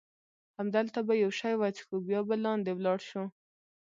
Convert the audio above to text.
همدلته به یو شی وڅښو، بیا به لاندې ولاړ شو.